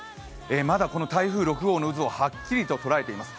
まだこの台風６号の渦をはっきりと捉えています。